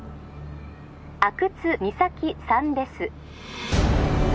☎阿久津実咲さんです